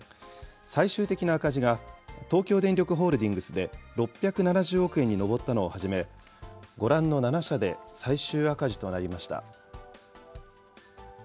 最終的な赤字が、東京電力ホールディングスで６７０億円に上ったのをはじめ、ご覧の７社で最終赤字となりました。